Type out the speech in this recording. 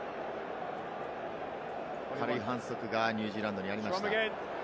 軽い反則がニュージーランドにありました。